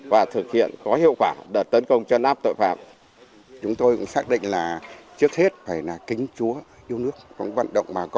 và thực hiện có hiệu quả đợt tấn công chân áp tội phạm